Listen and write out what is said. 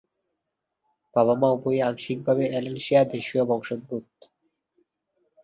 বাবা-মা উভয়ই আংশিকভাবে অ্যাল্সেশিয়া-দেশীয় বংশদ্ভুত।